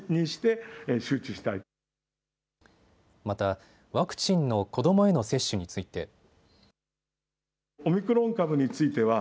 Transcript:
また、ワクチンの子どもへの接種について。